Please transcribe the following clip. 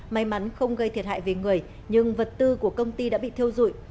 may mắn không gây thiệt hại về người nhưng vật tư của công ty đã bị thiêu dụi